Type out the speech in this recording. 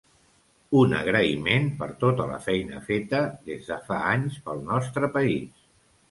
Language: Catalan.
Un agraïment per tota la feina feta, des de fa anys, pel nostre país.